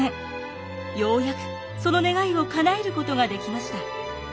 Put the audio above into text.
ようやくその願いをかなえることができました。